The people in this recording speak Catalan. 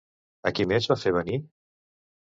A qui més va fer venir?